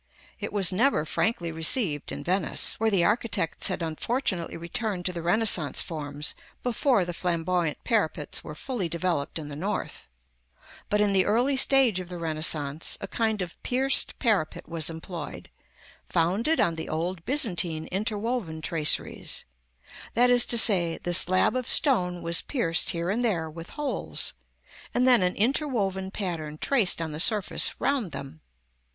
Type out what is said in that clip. It was never frankly received in Venice, where the architects had unfortunately returned to the Renaissance forms before the flamboyant parapets were fully developed in the North; but, in the early stage of the Renaissance, a kind of pierced parapet was employed, founded on the old Byzantine interwoven traceries; that is to say, the slab of stone was pierced here and there with holes, and then an interwoven pattern traced on the surface round them.